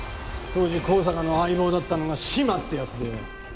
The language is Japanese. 当時香坂の相棒だったのが志摩ってやつでよ